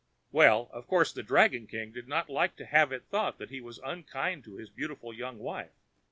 Well, of course the dragon king did not like to have it thought that he was unkind to his beautiful young wife.